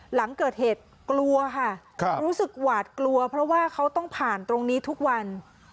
หลังเกิดเหตุกลัวค่ะรู้สึกหวาดกลัวเพราะว่าเขาต้องผ่านตรงนี้ทุกวัน